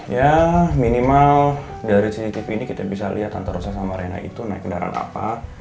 ya minimal dari cctv ini kita bisa lihat antara saya sama rena itu naik kendaraan apa